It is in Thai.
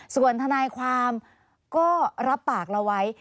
ส่วนทนายความก็รับปากเราไว้